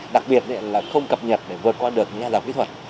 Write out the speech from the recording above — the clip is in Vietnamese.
đặc biệt là không cập nhật để vượt qua được nhà dọc kỹ thuật